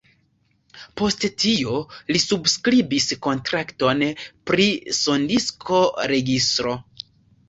Post tio li subskribis kontrakton pri sondisko-registro.